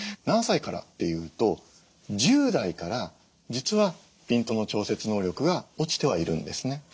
何歳からっていうと１０代から実はピントの調節能力が落ちてはいるんですね。